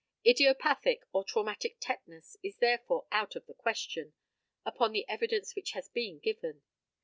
Idiopathic or traumatic tetanus is therefore out of the question, upon the evidence which has been given.